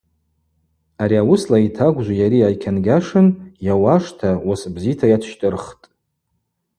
Ари ауысла йтагвжви йари айкьангьашын йауашта, уыс бзита йацщтӏырхтӏ.